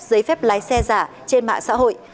giấy phép lái xe giả trên mạng xã hội